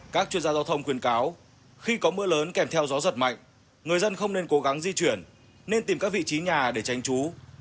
các chuyên gia giao thông khuyên cáo khi có mưa lớn kèm theo gió giật mạnh người dân không nên cố gắng di chuyển nên tìm các vị trí nhà để tránh trú